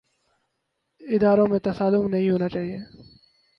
اداروں میں تصادم نہیں ہونا چاہیے۔